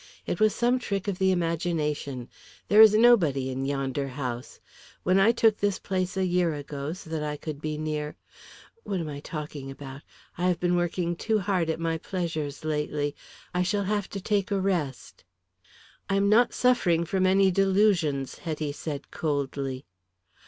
It was some trick of the imagination. There is nobody in yonder house. When I took this place a year ago so that I could be near what am I talking about? I have been working too hard at my pleasures lately; I shall have to take a rest." "I am not suffering from any delusions," Hetty said, coldly.